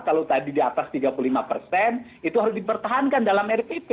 kalau tadi di atas tiga puluh lima persen itu harus dipertahankan dalam rpp